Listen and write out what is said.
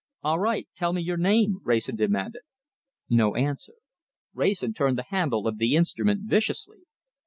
"All right! Tell me your name," Wrayson demanded. No answer. Wrayson turned the handle of the instrument viciously.